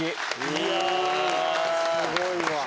いやすごいわ。